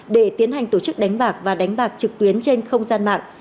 để tiến hành tổ chức đánh bạc và đánh bạc trực tuyến trên không gian mạng